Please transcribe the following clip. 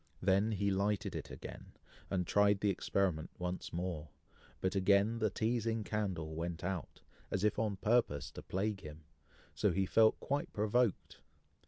Then he lighted it again, and tried the experiment once more, but again the teazing candle went out, as if on purpose to plague him, so he felt quite provoked.